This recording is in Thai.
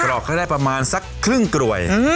รอกให้ได้ประมาณสักครึ่งกล่วย